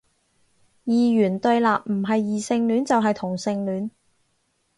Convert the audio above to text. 二元對立，唔係異性戀就係同性戀